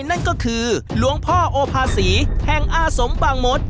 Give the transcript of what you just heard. นั่นก็คือหลวงพ่อโอภาษีแห่งอาสมบางมศ